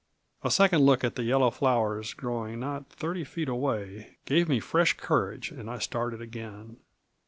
A second look at the yellow flowers growing not thirty feet away gave me fresh courage and I started again.